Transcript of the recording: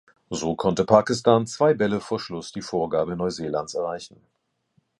So konnte Pakistan zwei Bälle vor Schluss die Vorgabe Neuseelands erreichen.